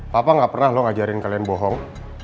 papa gak pernah lo ngajarin kalian bohong